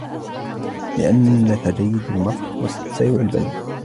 لأنك جيد المضغ سريع البلع